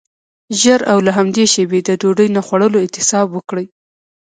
ژر او له همدې شیبې د ډوډۍ نه خوړلو اعتصاب وکړئ.